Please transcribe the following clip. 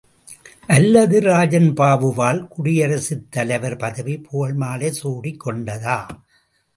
அல்லது ராஜன்பாபுவால் குடியரசுத் தலைவர் பதவி புகழ்மாலை சூடிக் கொண்டதா?